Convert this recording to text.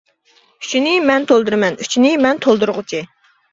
ئۇچىنى مەن تولدۇرىمەن، ئۇچىنى مەن تولدۇرغۇچى.